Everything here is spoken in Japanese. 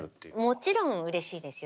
もちろんうれしいですよ。